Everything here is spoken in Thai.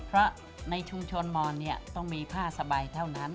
เพราะในชุมชนมอนต้องมีผ้าสบายเท่านั้น